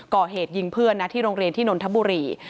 ก่อเหตุยิงเพื่อนนะที่โรงเรียนที่นนทบุรี